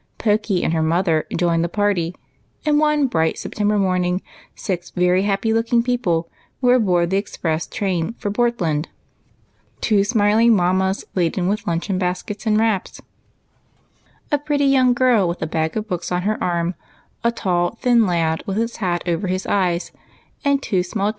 Pokey and her mother joined the party, and one bright September morning six very happy looking people were aboard the express train for Portland, — two smiling mammas, laden with luncheon baskets and wraps ; a pretty young girl with a bag of books on her arm ; a tall, thin lad with his hat over his eyes ; and two small 142 EIGHT COUSINS.